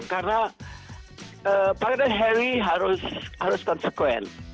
karena pangeran harry harus konsekuens